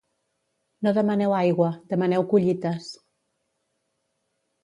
No demaneu aigua, demaneu collites.